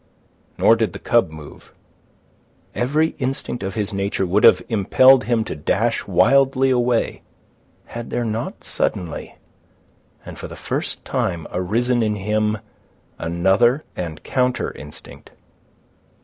Nor did the cub move. Every instinct of his nature would have impelled him to dash wildly away, had there not suddenly and for the first time arisen in him another and counter instinct.